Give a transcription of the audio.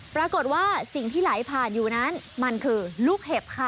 ปรากฏว่าสิ่งที่ไหลผ่านอยู่นั้นมันคือลูกเห็บค่ะ